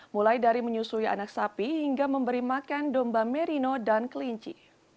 mulai dari menyusui anak sapi hingga memberi makan domba merino dan kelinci